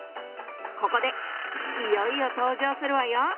ここでいよいよ登場するわよ。